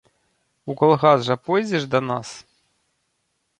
У калгас жа пойдзеш да нас?